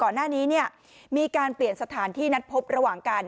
ก่อนหน้านี้เนี่ยมีการเปลี่ยนสถานที่นัดพบระหว่างการ